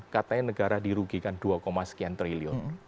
katanya negara dirugikan dua sekian triliun